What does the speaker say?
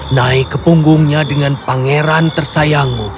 naik ke punggungnya dengan pangeran tersayangmu